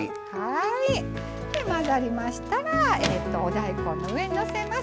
混ざりましたら、お大根の上にのせます。